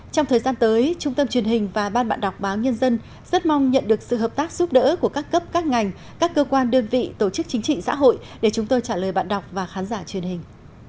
trong thời gian tới trung tâm truyền hình và ban bạn đọc báo nhân dân rất mong nhận được sự hợp tác giúp đỡ của các cấp các ngành các cơ quan đơn vị tổ chức chính trị xã hội để chúng tôi trả lời bạn đọc và khán giả truyền hình